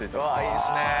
いいですね。